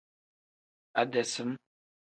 Ade sim.